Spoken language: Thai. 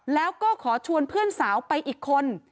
แล้วก็ขอชวนเพื่อนสาวไปอีกคน